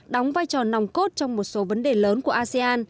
đóng vai trò nòng cốt trong một số vấn đề lớn của asean